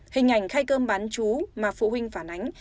hình ảnh khay cơm bán chú mà phụ huynh phản ánh